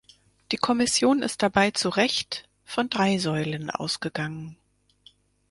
Die Kommission ist dabei zu Recht von drei Säulen ausgegangen.